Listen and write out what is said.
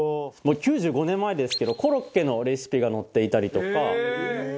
もう９５年前ですけどコロッケのレシピが載っていたりとか。